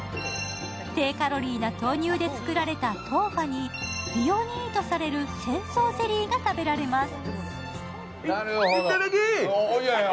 低カロリーな豆乳で作られた豆花に美容にいいとされる仙草ゼリーが食べられます。